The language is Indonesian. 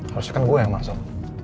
harusnya kan gue yang masak